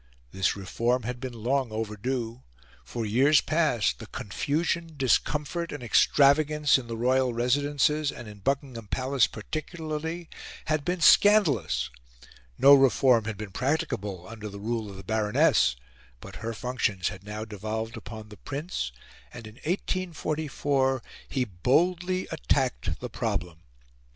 This reform had been long overdue. For years past the confusion, discomfort, and extravagance in the royal residences, and in Buckingham Palace particularly, had been scandalous; no reform had been practicable under the rule of the Baroness; but her functions had now devolved upon the Prince, and in 1844, he boldly attacked the problem.